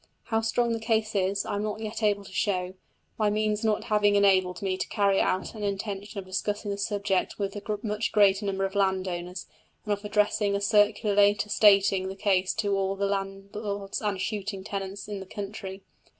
How strong the case is I am not yet able to show, my means not having enabled me to carry out an intention of discussing the subject with a much greater number of landowners, and of addressing a circular later stating the case to all the landlords and shooting tenants in the country.